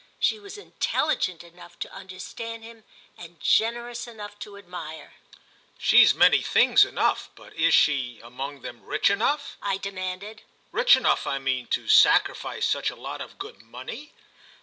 She was intelligent enough to understand him and generous enough to admire. "She's many things enough, but is she, among them, rich enough?" I demanded. "Rich enough, I mean, to sacrifice such a lot of good money?"